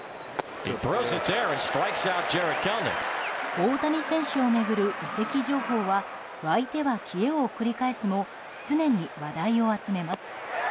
大谷選手を巡る移籍情報は湧いては消えを繰り返すも常に話題を集めます。